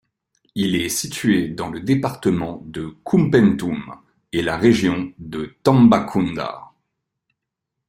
Il est situé dans le département de Koumpentoum et la région de Tambacounda.